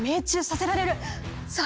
さあ